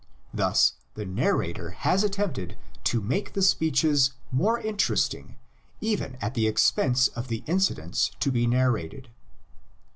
Thus the narrator has attempted to make the speeches more interesting even at the expense of the incidents to be narrated.